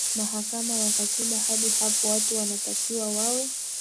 mahakama ya katiba Hadi hapo watu wanatakiwa wawe